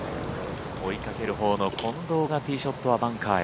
追いかけるほうの近藤がティーショットはバンカーへ。